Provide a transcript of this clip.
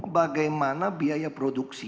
bagaimana biaya produksi